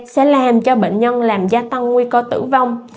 sẽ làm cho bệnh nhân làm gia tăng nguy cơ tử vong